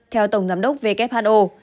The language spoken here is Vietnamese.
theo tổng giám đốc who